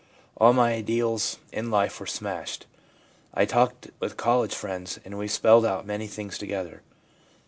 All my ideals in life were smashed. I talked with college friends, and we spelled out many things together.